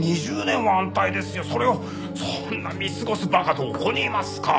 それをそんな見過ごす馬鹿どこにいますか？